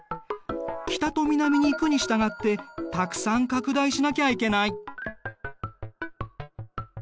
北と南に行くに従ってたくさん拡大しなきゃいけない。